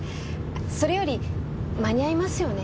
それより間に合いますよね？